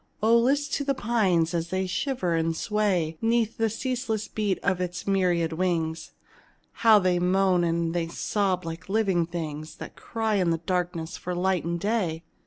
Oh, list to the pines as they shiver and sway 'Neath the ceaseless beat of its myriad wings How they moan and they sob like living things That cry in the darkness for light and day!